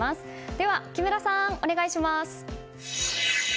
では、木村さんお願いします。